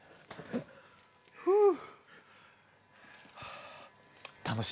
ふう。